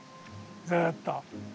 ずっと。